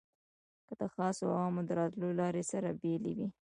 د خاصو او عامو د راتلو لارې سره بېلې وې.